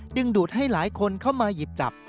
ดูดให้หลายคนเข้ามาหยิบจับ